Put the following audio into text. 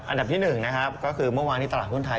อันดับที่หนึ่งนะครับก็คือเมื่อวานที่ตลาดทุ่นท้าย